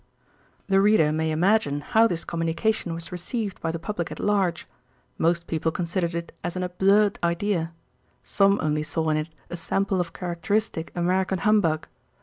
The reader may imagine how this communication was received by the public at large. Most people considered it as an absurd idea. Some only saw in it a sample of characteristic American humbug.